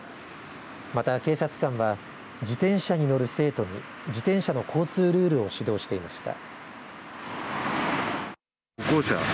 また警察官は自転車に乗る生徒に自転車の交通ルールを指導していました。